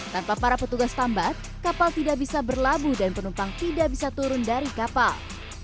tanpa para petugas tambat kapal tidak bisa berlabuh dan penumpang tidak bisa turun dari kapal